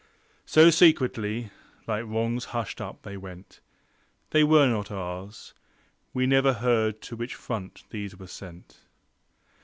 So secretly, like wrongs hushed up, they went. They were not ours: We never heard to which front these were sent.